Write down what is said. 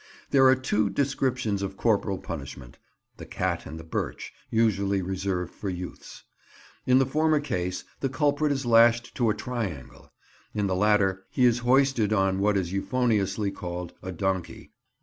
There are two descriptions of corporal punishment—the cat and the birch, usually reserved for youths. In the former case the culprit is lashed to a triangle; in the latter he is hoisted on what is euphoniously called a donkey.